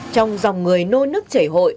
trong dòng người nôi nức chảy hội